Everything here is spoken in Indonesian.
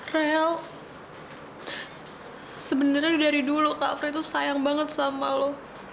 rel sebenarnya dari dulu kak fri tuh sayang banget sama lo